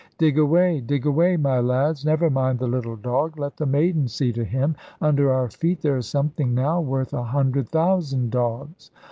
"Dig away, dig away, my lads. Never mind the little dog. Let the maidens see to him. Under our feet there is something now, worth a hundred thousand dogs."